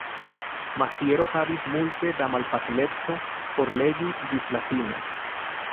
Maziero havis multe da malfacileco por legi ĝis la fino.